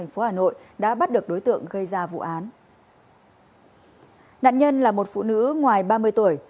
nạn nhân là một phụ nữ ngoài ba mươi tuổi